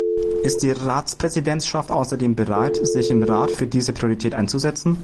Ist die Ratspräsidentschaft außerdem bereit, sich im Rat für diese Priorität einzusetzen?